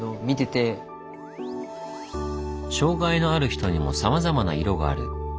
障害のある人にもさまざまな色がある。